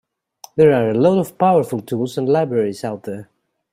There are a lot of powerful tools and libraries out there.